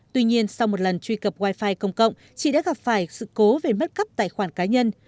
tuy nhiên sau một lần truy cập wifi công cộng chị đã gặp phải sự cố về mất cấp tài khoản cá nhân